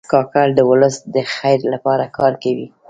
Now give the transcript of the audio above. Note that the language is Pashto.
کاکړ د ولس د خیر لپاره کار کوي.